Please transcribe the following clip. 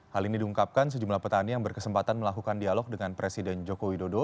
hal ini diungkapkan sejumlah petani yang berkesempatan melakukan dialog dengan presiden joko widodo